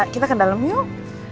kita ke dalem yuk